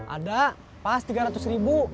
ada pas tiga ratus ribu